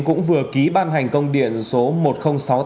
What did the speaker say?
cũng vừa ký ban hành công điện số một nghìn sáu mươi tám